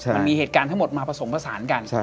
มันมีเหตุการณ์ทั้งหมดมาผสมผสานกัน